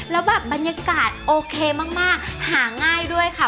แล้วแบบบรรยากาศโอเคมากหาง่ายด้วยค่ะ